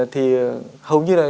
thì hầu như là